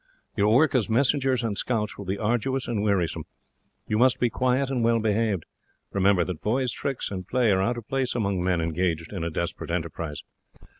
Your work as messengers and scouts will be arduous and wearisome. You must be quiet and well behaved remember that boys' tricks and play are out of place among men engaged in a desperate enterprise.